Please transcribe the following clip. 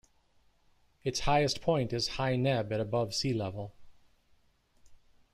Its highest point is High Neb at above sea level.